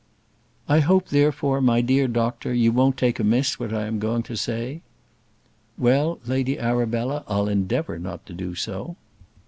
"I hope, therefore, my dear doctor, you won't take amiss what I am going to say." "Well, Lady Arabella, I'll endeavour not to do so."